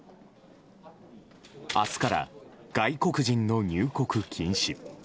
明日から、外国人の入国禁止。